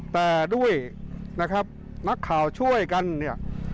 แต่ด้วยนะครับนักข่าวช่วยกันเนี่ย